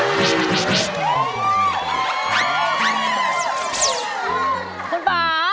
อัลป่า